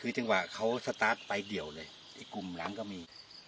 คือจังหวะเขาสตาร์ทไปเดี่ยวเลยไอ้กลุ่มหลังก็มี